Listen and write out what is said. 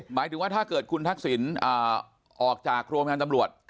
หมายถึงว่าถ้าเกิดคุณทักษิณออกจากโรงพยาบาลตำรวจ